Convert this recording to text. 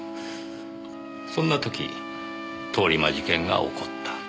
そんな時通り魔事件が起こった。